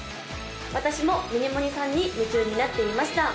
私もミニモニ。さんに夢中になっていました